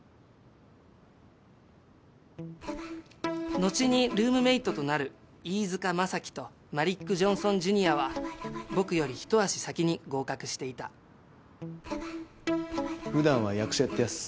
後にルームメイトとなる飯塚将希とマリック・ジョンソンＪｒ．は僕より一足先に合格していた普段は役者やってやす。